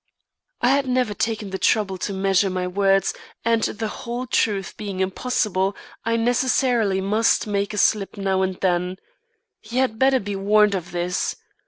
I had never taken the trouble to measure my words and the whole truth being impossible, I necessarily must make a slip now and then. He had better be warned of this.